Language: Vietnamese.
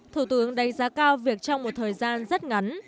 thủ tướng đánh giá cao việc trong một thời gian rất ngắn